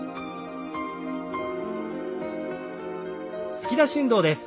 突き出し運動です。